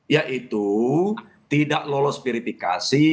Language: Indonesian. yaitu tidak lolos verifikasi